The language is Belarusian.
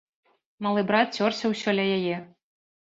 Малы брат цёрся ўсё ля яе.